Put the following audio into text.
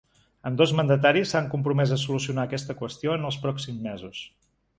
Ambdós mandataris s’han compromès a solucionar aquesta qüestió en els pròxims mesos.